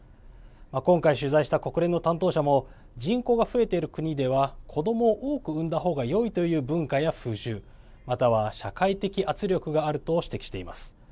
今回取材した国連の担当者も人口が増えている国では子どもを多く産んだ方がよいという文化や風習または社会的圧力があると指摘しています。